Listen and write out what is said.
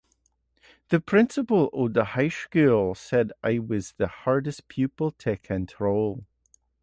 The principal of the high school said I was the hardest pupil to control.